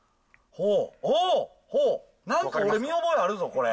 ほー、なんか、俺、見覚えあるぞ、これ。